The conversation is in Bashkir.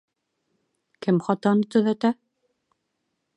Кем хатаны төҙәтә?